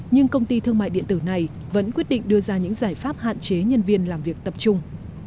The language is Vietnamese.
nhưng công ty thương mại điện tử này vẫn quyết định đưa ra những giải pháp hạn chế nhân viên làm việc tập trung